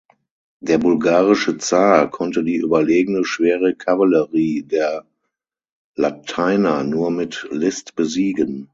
Der bulgarische Zar konnte die überlegene schwere Kavallerie der Lateiner nur mit List besiegen.